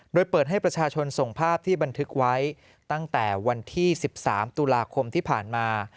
โดยเปิดให้ประชาชนส่งภาพที่บันทึกไว้ตั้งแต่วันที่๑๓ตุลาคมที่ผ่านมา